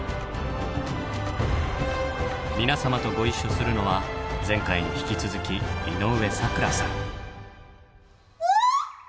皆様とご一緒するのは前回に引き続き井上咲楽さん。